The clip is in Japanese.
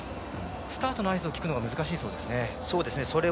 スタートの合図を聞くのが難しいそうですね。